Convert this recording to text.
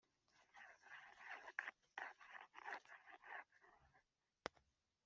umunsi uwo umugore yabonekagaho wari ku wa kabiri Ubu nyuma y imyaka Nadia yisabira